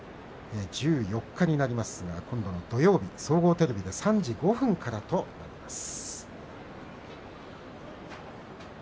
１４日になります今度の土曜日、総合テレビ３時５分からとなります。